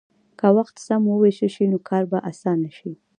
که وخت سم ووېشل شي، نو کار به اسانه شي.